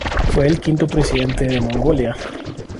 Fue el quinto presidente de Mongolia.